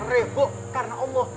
rebuk karena allah